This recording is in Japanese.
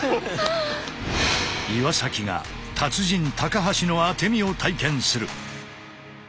岩が達人高橋の当身を体験する。